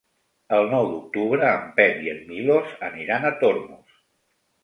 El nou d'octubre en Pep i en Milos aniran a Tormos.